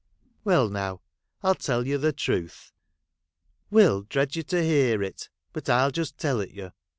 Well now ! I '11 tell you the truth. Will dreads you to hear it, but I'll just tell it you.